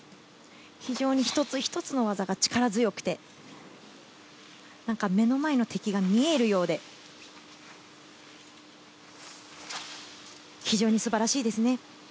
非常に１つ１つの技が力強くて目の前の敵が見えるようで非常に素晴らしいですね。